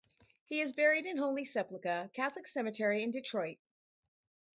He is buried in Holy Sepulchre Catholic Cemetery in Detroit.